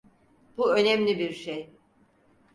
Bu önemli bir şey.